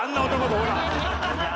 ほら。